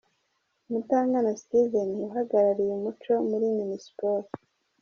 Mutangana Steven uhagarariye umuco muri Minispoc.